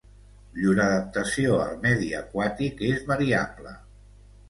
Llur adaptació al medi aquàtic és variable.